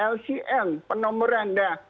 lcn penomoran nah